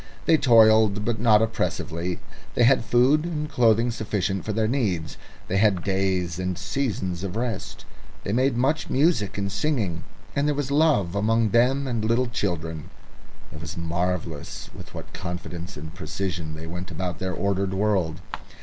They toiled, but not oppressively; they had food and clothing sufficient for their needs; they had days and seasons of rest; they made much of music and singing, and there was love among them, and little children. It was marvellous with what confidence and precision they went about their ordered world.